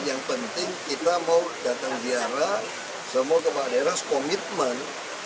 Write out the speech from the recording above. yang penting kita mau datang ziarah semua kepala daerah sekomitmen